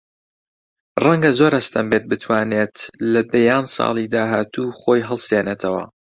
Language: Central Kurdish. ڕەنگە زۆر ئەستەم بێت بتوانێت لە دەیان ساڵی داهاتوو خۆی هەڵسێنێتەوە